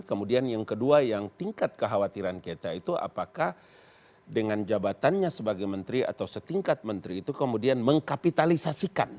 kemudian yang kedua yang tingkat kekhawatiran kita itu apakah dengan jabatannya sebagai menteri atau setingkat menteri itu kemudian mengkapitalisasikan